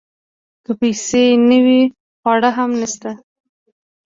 که پیسې نه وي خواړه هم نشته .